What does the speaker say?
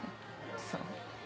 そう。